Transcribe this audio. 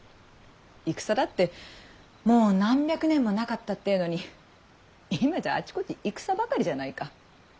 戦だってもう何百年もなかったってぇのに今じゃあちこち戦ばかりじゃないか。